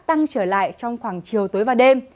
tăng trở lại trong khoảng chiều tối và đêm